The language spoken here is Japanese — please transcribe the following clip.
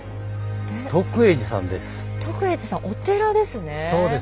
徳永寺さんです。